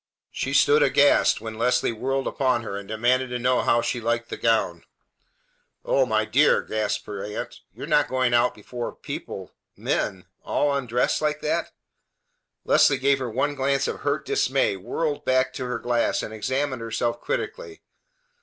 She stood aghast when Leslie whirled upon her and demanded to know how she liked the gown. "O my dear!" gasped her aunt. "You're not going out before people men all undressed like that!" Leslie gave her one glance of hurt dismay, whirled back to her glass, and examined herself critically.